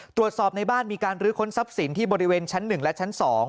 ตรวจสอบในบ้านมีการลื้อค้นทรัพย์สินที่บริเวณชั้น๑และชั้น๒